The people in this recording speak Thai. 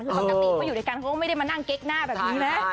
คือปกติเขาอยู่ด้วยกันเขาก็ไม่ได้มานั่งเก๊กหน้าแบบนี้นะ